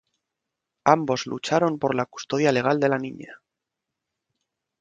Ambos lucharon por la custodia legal de la niña.